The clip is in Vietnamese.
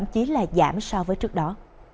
chỉ là giảm so với trước đó